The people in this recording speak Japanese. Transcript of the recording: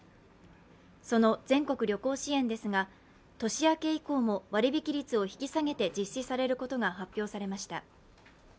その全国旅行支援ですが、年明け以降も割引率を引き下げて実施されることが発表されました。